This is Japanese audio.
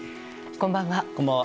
こんばんは。